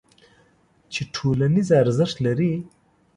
چې ټولنیز ارزښت لري.